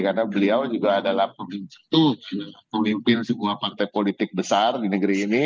karena beliau juga adalah pemimpin sebuah partai politik besar di negeri ini